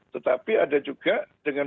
tetapi ada juga dengan